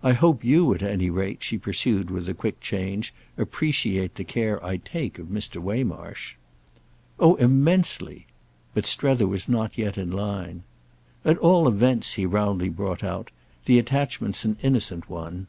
I hope you at any rate," she pursued with a quick change, "appreciate the care I take of Mr. Waymarsh." "Oh immensely." But Strether was not yet in line. "At all events," he roundly brought out, "the attachment's an innocent one."